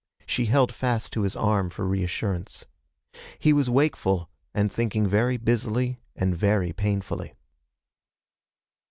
She held fast to his arm for reassurance. He was wakeful, and thinking very busily and very painfully.